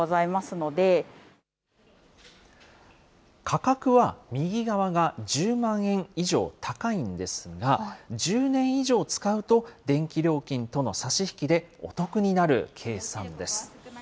価格は右側が１０万円以上高いんですが、１０年以上使うと、電気料金との差し引きで、お得になる計算です。